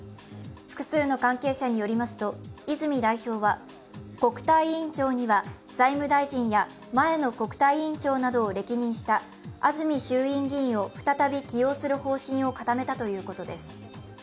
複数の関係者によりますと、泉代表は国対委員長には財務大臣や前の国対委員長などを歴任した安住衆院議員を再び起用する方針を固めたということです。